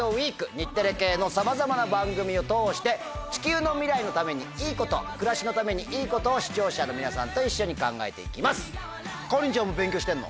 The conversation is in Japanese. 日テレ系のさまざまな番組を通して地球の未来のためにいいこと暮らしのためにいいことを視聴者の皆さんと一緒に考えて行きます。